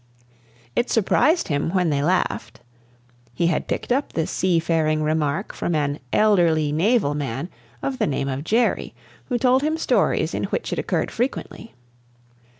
It surprised him when they laughed. He had picked up this sea faring remark from an "elderly naval man" of the name of Jerry, who told him stories in which it occurred frequently.